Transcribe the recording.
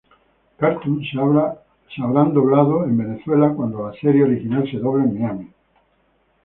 Cartoons se habrán doblado en Venezuela, cuando la serie original se dobla en Miami.